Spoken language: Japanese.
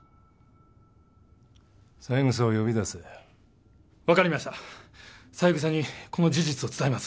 三枝を呼び出せ分かりました三枝にこの事実を伝えます